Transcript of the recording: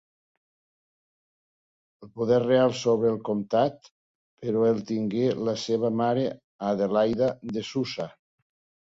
El poder real sobre el comtat, però, el tingué la seva mare Adelaida de Susa.